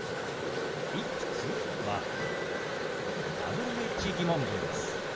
「いくつ？」はＷｈ−疑問文です。